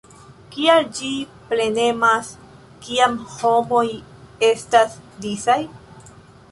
Kial ĝi plenemas kiam homoj estas disaj?